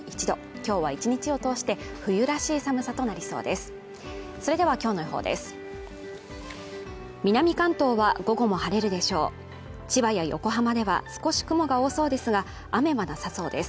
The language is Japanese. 今日は１日を通して冬らしい寒さとなりそうです